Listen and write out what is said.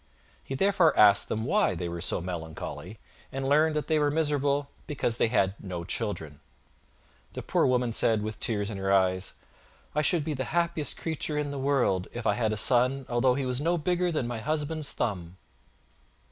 He therefore asked them why they were so melancholy, and learned that they were miserable because they had no children. The Poor Woman said, with tears in her eves: "I should be the happiest creature in the world if I had a son although he was no bigger than my husband's thumb."